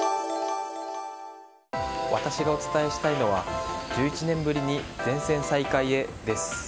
私がお伝えしたいのは１１年ぶりに全線再開へです。